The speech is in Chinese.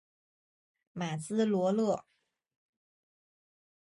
马兹罗勒。